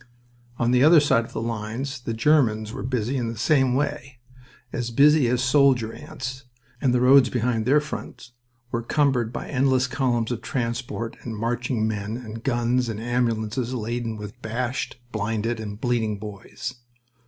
On the other side of the lines the Germans were busy in the same way, as busy as soldier ants, and the roads behind their front were cumbered by endless columns of transport and marching men, and guns and ambulances laden with bashed, blinded, and bleeding boys.